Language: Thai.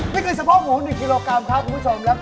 นี่คือเฉพาะหมู๑กิโลกรัมครับคุณผู้ชมครับ